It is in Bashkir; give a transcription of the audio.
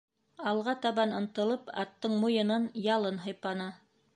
Алға табан ынтылып, аттың муйынын, ялын һыйпаны.